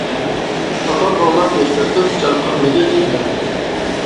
ئاپام ئاڭلاپ ياش تۆكۈپ، جان قالمىدى تېنىدە.